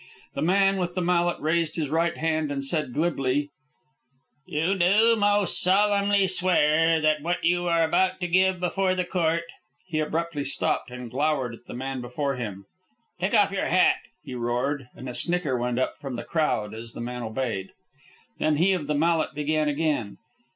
The man with the mallet raised his right hand and said glibly, "You do most solemnly swear that what you are about to give before the court " He abruptly stopped and glowered at the man before him. "Take off your hat!" he roared, and a snicker went up from the crowd as the man obeyed. Then he of the mallet began again.